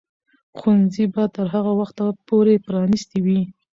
ښوونځي به تر هغه وخته پورې پرانیستي وي.